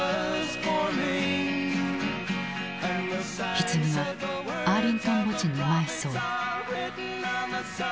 ひつぎはアーリントン墓地に埋葬。